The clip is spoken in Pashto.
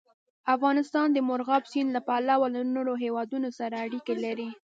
افغانستان د مورغاب سیند له پلوه له نورو هېوادونو سره اړیکې لري.